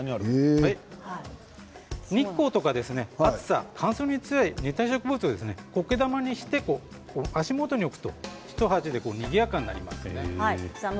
日光とか暑さ、乾燥に強い熱帯植物、こけ玉にして足元に置くと１鉢でにぎやかになりますね。